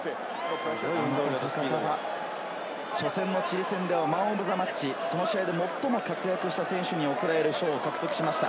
初戦のチリ戦ではマン・オブ・ザ・マッチ、その試合で最も活躍した選手に贈られる賞を獲得しました。